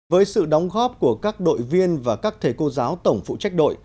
với sự đóng góp của các đội viên và các thầy cô giáo tổng phụ trách đội